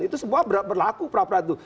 itu semua berlaku perapradilan itu